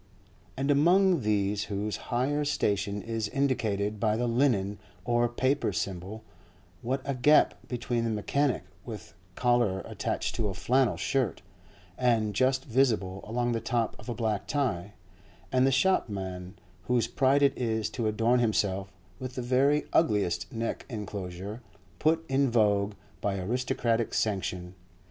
And among these whose higher station is indicated by the linen or paper symbol, what a gap between the mechanic with collar attached to a flannel shirt, and just visible along the top of a black tie, and the shopman whose pride it is to adorn himself with the very ugliest neck encloser put in vogue by aristocratic sanction.